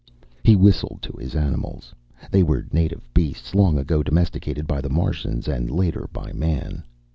He whistled to his animals. They were native beasts, long ago domesticated by the Martians and later by man.